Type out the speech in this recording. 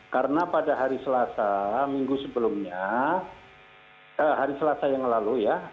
karena pada hari selasa minggu sebelumnya hari selasa yang lalu ya